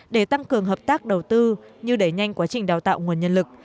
để tăng cường hợp tác đầu tư như đẩy nhanh quá trình đào tạo nguồn nhân lực